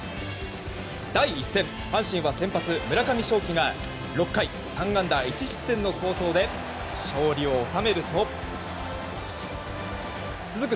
第１戦阪神は先発、村上頌樹が６回３安打１失点の好投で勝利を収めると続く